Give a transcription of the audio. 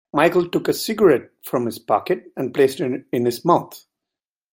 Michael took a cigarette from his pocket and placed it in his mouth.